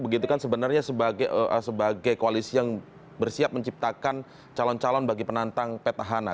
begitu kan sebenarnya sebagai koalisi yang bersiap menciptakan calon calon bagi penantang petahana